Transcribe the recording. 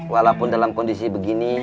walaupun dalam kondisi begini